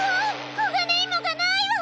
コガネイモがないわ！